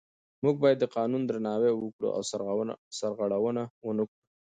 موږ باید د قانون درناوی وکړو او سرغړونه ونه کړو